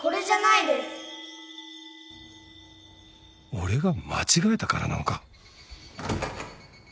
俺が間違えたからなのか？